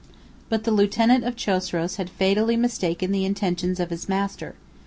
72 But the lieutenant of Chosroes had fatally mistaken the intentions of his master.